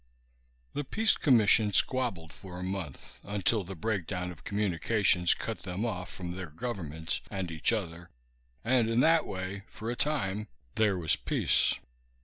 The Peace Commission squabbled for a month, until the breakdown of communications cut them off from their governments and each other; and in that way, for a time, there was peace.